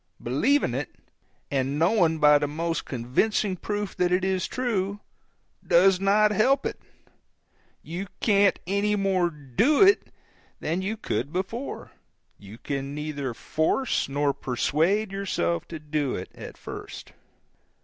Believing it, and knowing by the most convincing proof that it is true, does not help it: you can't any more DO it than you could before; you can neither force nor persuade yourself to do it at first.